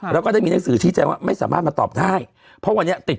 แล้วก็ได้มีหนังสือชี้แจงว่าไม่สามารถมาตอบได้เพราะวันนี้ติด